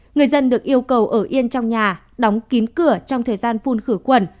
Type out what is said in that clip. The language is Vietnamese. người dân được yêu cầu ở yên trong nhà đóng kín cửa trong thời gian phun khử khuẩn